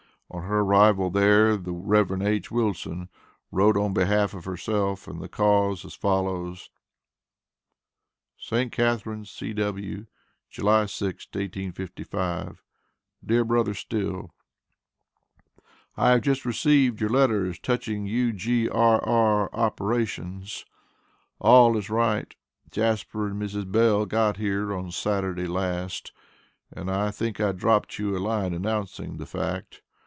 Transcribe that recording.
On her arrival there the Rev. H. Wilson wrote on behalf of herself, and the cause as follows: ST. CATHERINES, C.W. July 6th, 1855. DEAR BR. STILL: I have just received your letters touching U.G.R.R. operations. All is right. Jasper and Mrs. Bell got here on Saturday last, and I think I dropt you a line announcing the fact.